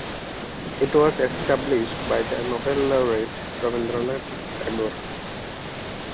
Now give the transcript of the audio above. It was established by the Nobel laureate Rabindranath Tagore.